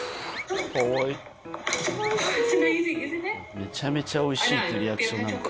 めちゃめちゃ、おいしいっていうリアクションなのか。